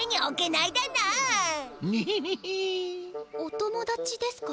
お友だちですか？